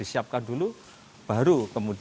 isinya clownik dinik semangat ini